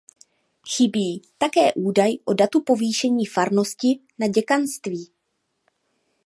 Chybí také údaj o datu povýšení farnosti na děkanství.